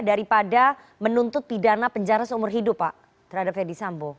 daripada menuntut pidana penjara seumur hidup pak terhadap ferdisambo